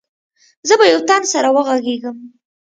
زه به يو تن سره وغږېږم.